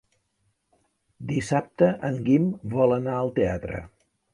Dissabte en Guim vol anar al teatre.